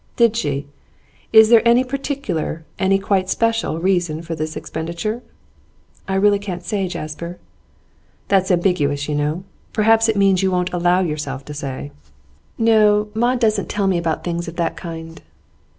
'Did she? Is there any particular, any quite special, reason for this expenditure?' 'I really can't say, Jasper.' 'That's ambiguous, you know. Perhaps it means you won't allow yourself to say?' 'No, Maud doesn't tell me about things of that kind.